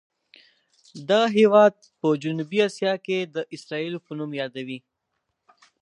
دغه هېواد جنوبي اسیا کې اسرائیلو په نوم یادوي.